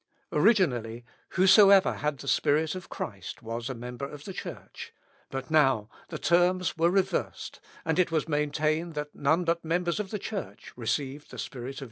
Originally, whosoever had the Spirit of Jesus Christ was a member of the Church, but the terms were now reversed, and it was maintained that none but members of the Church received the Spirit of Jesus Christ.